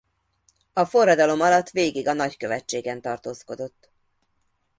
A forradalom alatt végig a nagykövetségen tartózkodott.